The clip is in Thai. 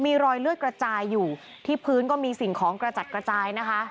มีรอยเลือดกระจายอยู่ที่พื้นก็มีสิ่งของกระจัดกระจายนะคะ